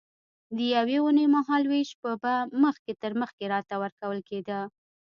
د یوې اوونۍ مهال وېش به مخکې تر مخکې راته ورکول کېده.